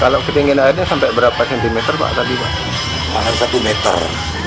paling satu meter